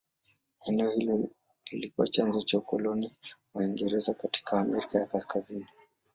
Eneo hili lilikuwa chanzo cha ukoloni wa Uingereza katika Amerika ya Kaskazini.